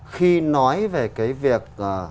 khi nói về cái việc